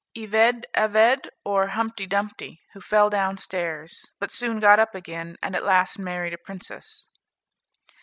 Ivede Avede, or Humpty Dumpty, who fell down stairs, but soon got up again, and at last married a princess."